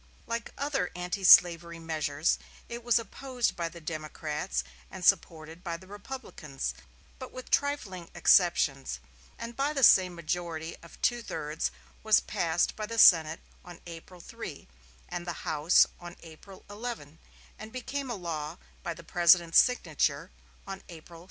Like other antislavery measures, it was opposed by the Democrats and supported by the Republicans, with but trifling exceptions; and by the same majority of two thirds was passed by the Senate on April 3, and the House on April 11, and became a law by the President's signature on April 16.